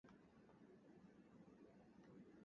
真係有企業可以成功推行?